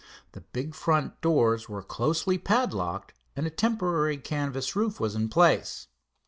The big front doors were closely padlocked, and a temporary canvas roof was in place.